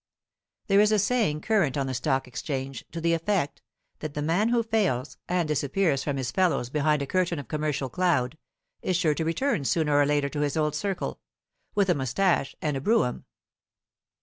There is a saying current on the Stock Exchange to the effect that the man who fails, and disappears from among his fellows behind a curtain of commercial cloud, is sure to return sooner or later to his old circle, with a moustache and a brougham.